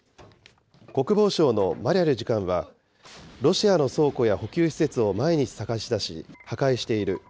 国防省のマリャル次官は、ロシアの倉庫や補給施設を毎日探しだし、破壊している。